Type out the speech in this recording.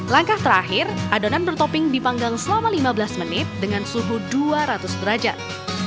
langkah terakhir adonan bertopping dipanggang selama lima belas menit dengan suhu dua ratus derajat